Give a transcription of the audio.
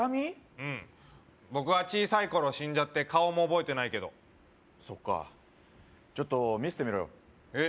うん僕が小さい頃死んじゃって顔も覚えてないけどそっかちょっと見せてみろよえっ？